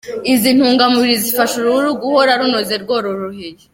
Izi ntungamubiri zifasha uruhu guhora runoze rworohereye.